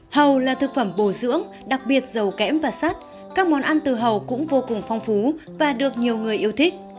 hầu là thực phẩm bổ dưỡng đặc biệt giàu kẽm và sắt các món ăn từ hầu cũng vô cùng phong phú và được nhiều người yêu thích